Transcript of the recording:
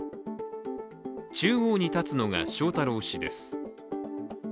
中央に立つのが翔太郎氏です。